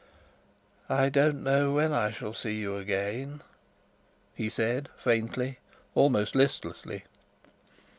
"I don't know when I shall see you again," he said faintly, almost listlessly.